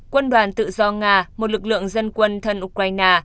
quân đoàn tự do nga một lực lượng dân quân thân ukraine